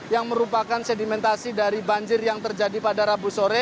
yang merupakan sedimentasi dari banjir yang terjadi pada rabu sore